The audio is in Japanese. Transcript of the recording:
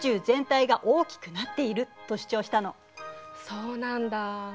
そうなんだ。